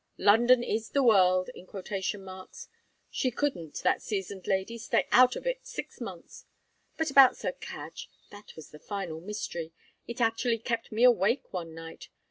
London is 'the world' in quotation marks. She couldn't, that seasoned lady, stay out of it six months. But about Sir Cadge that was the final mystery. It actually kept me awake one night.